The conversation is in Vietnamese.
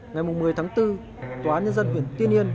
ngày một mươi tháng bốn tòa án nhân dân huyện tiên yên